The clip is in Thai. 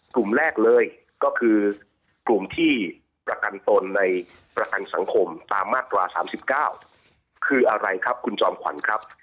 กลุ่มแรกเลยก็คือกลุ่มที่ประกันตนในประกันสังคมตามมาตรา๓๙คืออะไรครับคุณจอมขวัญครับ